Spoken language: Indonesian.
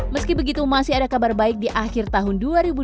meski begitu masih ada kabar baik di akhir tahun dua ribu dua puluh